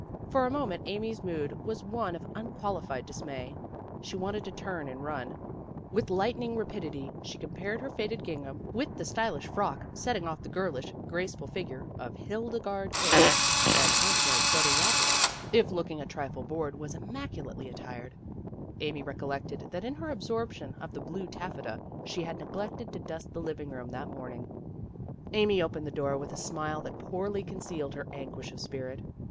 For a moment Amy's mood was one of un qualified dismay. She wanted to turn and run. With lightning like rapidity she compared her faded gingham with the stylish frock setting off the girlish, graceful figure of Hildegarde Carey. And Hildegarde 's brother, Kobert, if looking a COME RIGHT IN/ SAID AMY WITH A MISLEADING AIR OF CORDIALITY " WHAT'S IN A NAME? trifle bored, was immaculately attired. Amy recollected that in her absorption with the blue taffeta she had neglected to dust the living room that morning. Amy opened the door with a smile that poorly concealed her anguish of spirit.